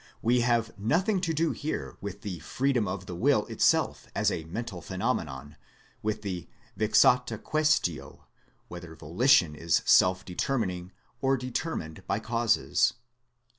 We have nothing to do here with the freedom of the will itself as a mental pheno menon with the vexata questio whether volition is self determining or determined by causes.